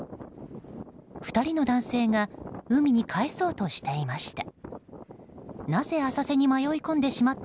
２人の男性が海に帰そうとしていました。